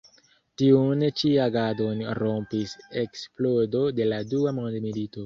Tiun ĉi agadon rompis eksplodo de la dua mondmilito.